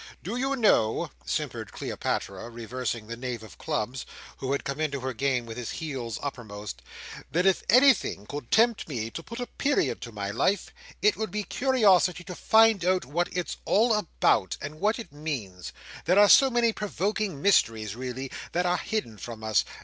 Do you know," simpered Cleopatra, reversing the knave of clubs, who had come into her game with his heels uppermost, "that if anything could tempt me to put a period to my life, it would be curiosity to find out what it's all about, and what it means; there are so many provoking mysteries, really, that are hidden from us.